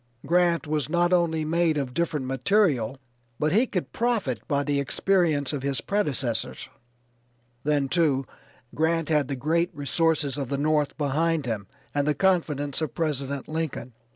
Grant was not only made of different material but he could profit by the experience of his predecessors. Then, too, Grant had the great resources of the North behind him and the confidence of President Lincoln.